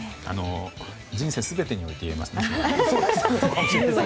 人生全てにおいて言えますね。